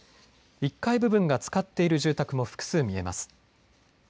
１階部分がつかっている住宅も複数見えます。